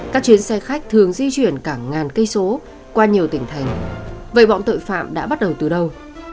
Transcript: các chuyến xe khách thường di chuyển cả ngàn cây số qua nhiều tỉnh thành vậy bọn tội phạm đã bắt đầu từ đâu